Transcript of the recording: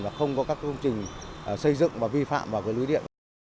và không có các công trình xây dựng và vi phạm vào lưới điện